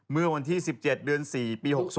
เมื่อวันที่๑๗เดือน๔ปี๖๒